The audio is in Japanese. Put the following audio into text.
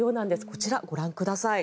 こちら、ご覧ください。